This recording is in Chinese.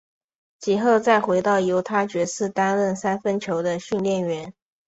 及后再回到犹他爵士担任三分球的训练员。